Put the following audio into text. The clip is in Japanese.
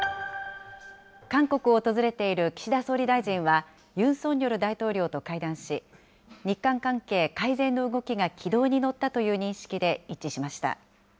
韓国を訪れている岸田総理大臣は、ユン・ソンニョル大統領と会談し、日韓関係改善の動きが軌道に乗ったという認識で一致しました。